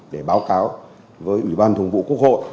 để báo cáo với ủy ban thường vụ quốc hội